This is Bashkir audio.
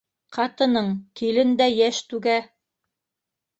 Ҡатының... килен дә йәш түге.